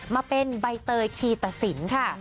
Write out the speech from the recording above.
มาเป็นใบเตยคีตสินค่ะ